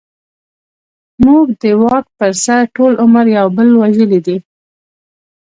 موږ د واک پر سر ټول عمر يو بل وژلې دي.